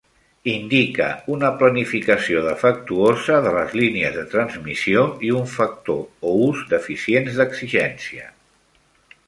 Indica una planificació defectuosa de les línies de transmissió i un factor o ús deficients d'exigència.